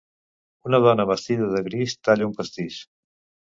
Una dona vestida de gris talla un pastís.